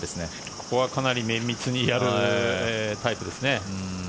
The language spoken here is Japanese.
ここはかなり綿密にやるタイプですね。